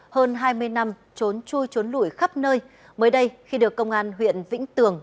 hơn hai mươi năm trốn chui trốn lũi khắp nơi mới đây khi được công an huyện vĩnh tường